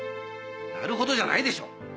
「なるほど」じゃないでしょう！